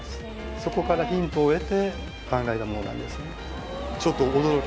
そこからヒントを得て考えたものなんですね